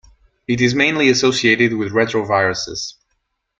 It is mainly associated with retroviruses.